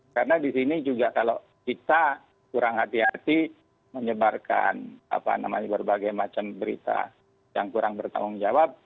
karena di sini juga kalau kita kurang hati hati menyebarkan berbagai macam berita yang kurang bertanggung jawab